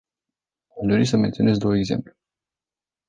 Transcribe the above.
Aș dori să menționez două exemple.